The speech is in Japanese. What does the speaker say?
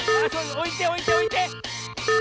おいておいておいて！